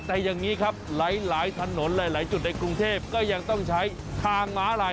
แต่อย่างนี้ครับหลายถนนหลายจุดในกรุงเทพก็ยังต้องใช้ทางม้าลาย